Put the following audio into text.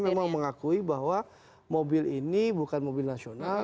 memang mengakui bahwa mobil ini bukan mobil nasional